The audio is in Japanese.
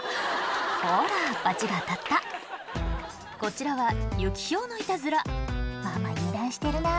ほら罰が当たったこちらはユキヒョウのイタズラ「ママ油断してるな」